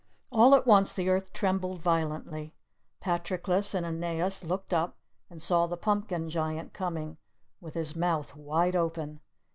All at once the earth trembled violently. Patroclus and Aeneas looked up and saw the Pumpkin Giant coming with his mouth wide open.